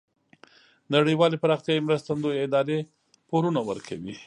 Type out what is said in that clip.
نړیوالې پراختیایې مرستندویه ادارې پورونه ورکوي.